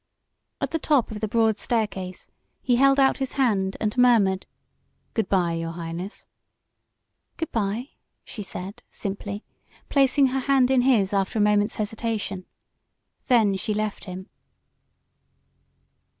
At the top of the broad staircase he held out his hand and murmured: "Good by, your Highness!" "Good by," she said, simply, placing her hand in his after a moment's hesitation. Then she left him.